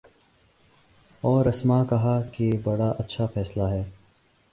اور رسما کہا کہ بڑا اچھا فیصلہ ہے۔